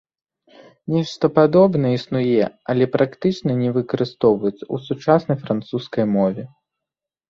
Нешта падобнае існуе, але практычна не выкарыстоўваецца ў сучаснай французскай мове.